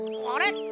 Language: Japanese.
あれ？